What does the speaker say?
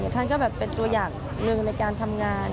ท่านก็แบบเป็นตัวอย่างหนึ่งในการทำงาน